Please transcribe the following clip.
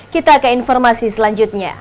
kita ke informasi selanjutnya